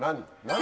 何？